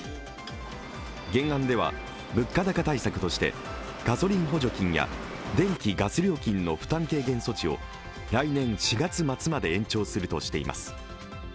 原案では物価高対策としてガソリン補助金や電気・ガス料金の負担軽減措置を来年４月末まで延長するとしています。